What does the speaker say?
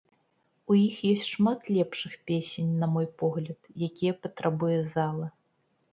У іх ёсць шмат лепшых песень, на мой погляд, якія патрабуе зала.